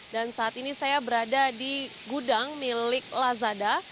dan saat ini saya berada di gudang milik lazada